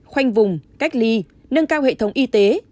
khoanh vùng cách ly nâng cao hệ thống y tế